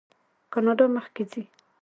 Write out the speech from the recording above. کاناډا مخکې ځي.